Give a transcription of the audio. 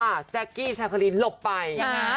อ่าแจ๊กกี้ชาโคลีหลบไปอ่า